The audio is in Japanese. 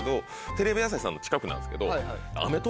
テレビ朝日さんの近くなんですけど。